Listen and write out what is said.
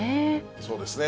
そうですね。